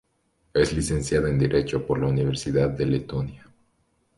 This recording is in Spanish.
Es licenciada en Derecho por la Universidad de Letonia.